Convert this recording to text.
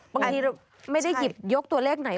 บางทีเราไม่ได้ยกตัวเลขไหน